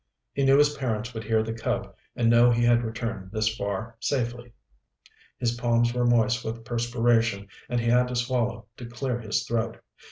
He knew his parents would hear the Cub and know he had returned this far safely. His palms were moist with perspiration and he had to swallow to clear his throat.